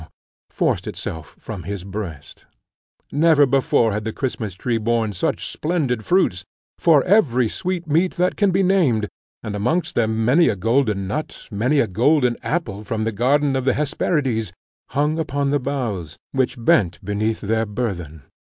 forced itself from his breast. Never before had the Christmas tree borne such splendid fruits, for every sweetmeat that can be named, and amongst them many a golden nut, many a golden apple from the garden of the Hesperides hung upon the boughs, which bent beneath their burthen.